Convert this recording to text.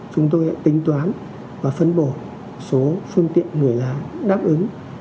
chúng tôi sẽ tính toán và phân bổ số phương tiện người lái đáp ứng